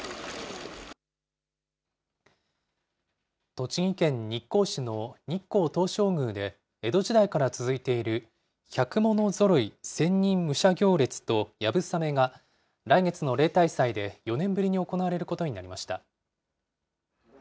栃木県日光市の日光東照宮で、江戸時代から続いている百物揃千人武者行列と流鏑馬が、来月の例大祭で４年ぶりに行われることになりました。